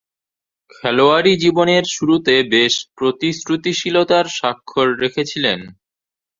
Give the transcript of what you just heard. খেলোয়াড়ী জীবনের শুরুতে বেশ প্রতিশ্রুতিশীলতার স্বাক্ষর রেখেছিলেন।